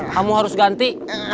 kamu harus ganti